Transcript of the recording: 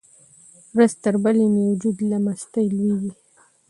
ورځ تر بلې مې وجود له مستۍ لویږي.